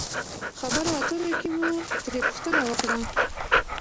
خبرو اترو کښې مو ترې پوښتنه وکړه